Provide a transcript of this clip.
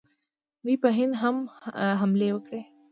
دوی په هند هم حملې وکړې